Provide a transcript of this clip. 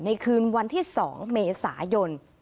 คืนวันที่๒เมษายน